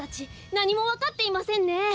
なにもわかっていませんね。